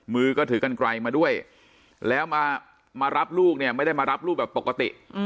มือก็ถือกันไกลมาด้วยแล้วมารับลูกเนี่ยไม่ได้มารับลูกแบบปกติ